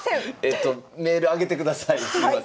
えとメールあげてください。